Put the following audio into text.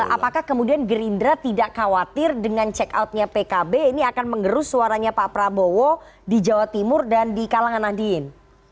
apakah kemudian gerindra tidak khawatir dengan check outnya pkb ini akan mengerus suaranya pak prabowo di jawa timur dan di kalangan nahdien